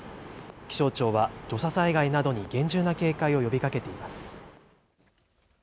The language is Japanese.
気象庁は土砂災害などに厳重な警戒を呼びかけています。